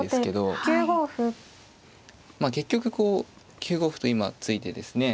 まあ結局こう９五歩と今突いてですね